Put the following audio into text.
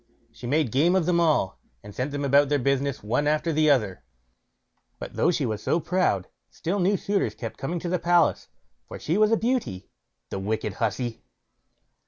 She made game of them all, and sent them about their business, one after the other; but though she was so proud, still new suitors kept on coming to the palace, for she was a beauty, the wicked hussey!